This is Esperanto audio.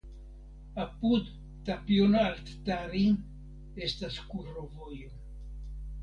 Apud "Tapion alttari" estas kurovojo.